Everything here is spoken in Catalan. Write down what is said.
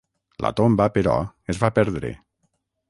La tomba, però, es va perdre.